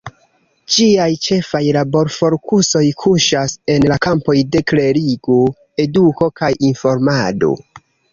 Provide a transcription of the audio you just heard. Ĝiaj ĉefaj laborfokusoj kuŝas en la kampoj de klerigo, eduko kaj informado.